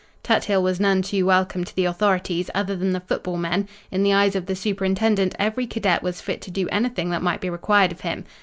Tuthill was none too welcome to the authorities other than the football men. In the eyes of the superintendent every cadet was fit to do anything that might be required of him.